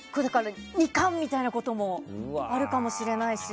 ２冠みたいなこともあるかもしれないし。